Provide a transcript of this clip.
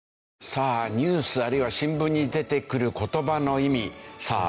さあニュースあるいは新聞に出てくる言葉の意味さあ